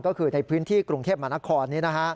ก็คือในพื้นที่กรุงเทพมหานคร